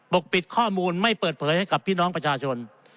กปิดข้อมูลไม่เปิดเผยให้กับพี่น้องประชาชน